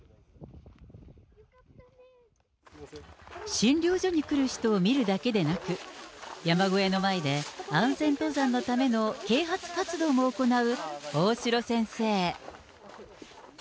診療所に来る人を見るだけでなく、山小屋の前で安全登山のための啓発活動も行う大城先生。